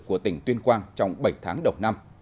của tỉnh tuyên quang trong bảy tháng đầu năm